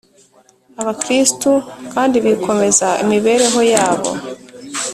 abakristu kandi bikomeza imibereho yabo